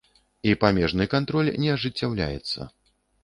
І памежны кантроль не ажыццяўляецца.